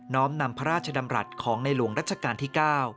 ้อมนำพระราชดำรัฐของในหลวงรัชกาลที่๙